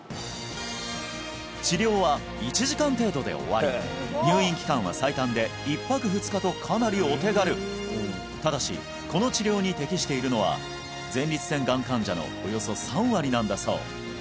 治療は１時間程度で終わり入院期間は最短で１泊２日とかなりお手軽ただしこの治療に適しているのは前立腺がん患者のおよそ３割なんだそう